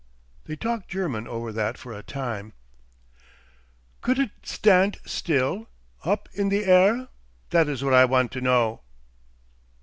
They talked German over that for a time. "Couldt it standt still? Op in the air? That is what I want to know."